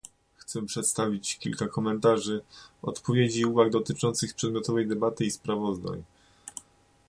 Chcę przedstawić kilka komentarzy, odpowiedzi i uwag dotyczących przedmiotowej debaty i sprawozdań